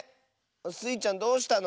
スイちゃんどうしたの？